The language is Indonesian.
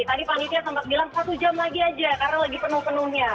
tadi panitia sempat bilang satu jam lagi aja karena lagi penuh penuhnya